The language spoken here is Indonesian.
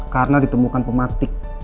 karena ditemukan pematik